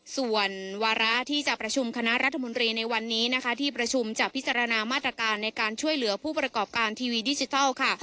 ส่วนวาระที่จะประชุมคณะรัฐมนตรีในวันนี้นะคะที่ประชุมจะพิจารณามาตรการในการช่วยเหลือผู้ประกอบการทีวีดิจิทัลค่ะ